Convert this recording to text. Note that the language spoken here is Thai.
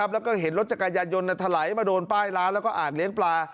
แล้วก็เห็นรถจักรยานยนต์ถลายมาโดนป้ายร้านแล้วก็อ่างเลี้ยงปลา